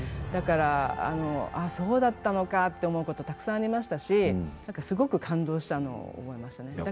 だからそうだったのかって思うことたくさんありましたしすごく感動したのを覚えましたね。